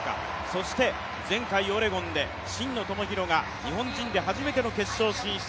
そして前回オレゴンで真野友博が日本人で初めての決勝進出